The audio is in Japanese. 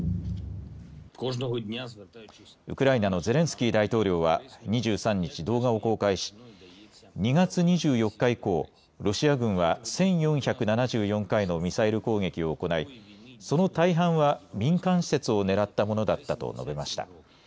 ウクライナのゼレンスキー大統領は２３日、動画を公開し２月２４日以降、ロシア軍は１４７４回のミサイル攻撃を行いその大半は民間施設を狙ったものだったと述べました。